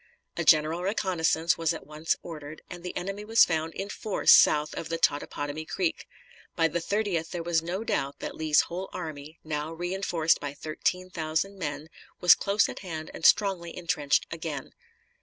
A general reconnoissance was at once ordered, and the enemy was found in force south of the Totopotomoy Creek; by the 30th there was no doubt that Lee's whole army, now re enforced by thirteen thousand men, was close at hand and strongly intrenched again.